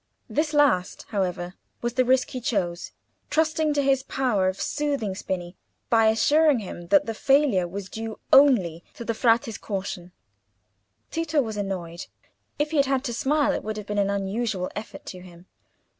This last, however, was the risk he chose, trusting to his power of soothing Spini by assuring him that the failure was due only to the Frate's caution. Tito was annoyed. If he had had to smile it would have been an unusual effort to him.